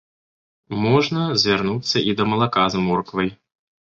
Можна звярнуцца і да малака з морквай.